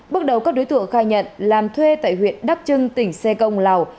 bước đầu các đối tượng khai nhận làm thuê tại huyện đắc trưng tỉnh xê công lào